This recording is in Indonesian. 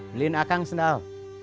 beliin akang sendal